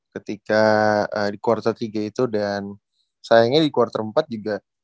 ketika di kuartal tiga itu dan sayangnya di kuartal empat juga